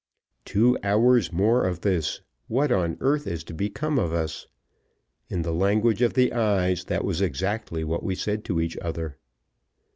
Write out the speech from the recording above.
"Two hours more of this! What on earth is to become of us?" In the language of the eyes, that was exactly what we said to each other.